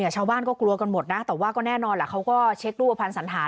ชาวบ้านก็กลัวกันหมดนะแต่ว่าก็แน่นอนแหละเขาก็เช็ครูปภัณฑ์สันหา